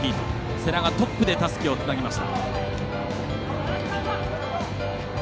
世羅がトップでたすきをつなぎました。